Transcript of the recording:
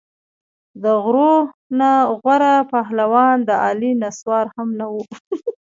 د غورو نه غوره پهلوان د علي نسوار هم نه وو.